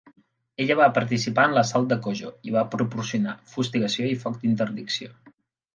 Ella va participar en l'assalt de Kojo i va proporcionar fustigació i foc d'interdicció.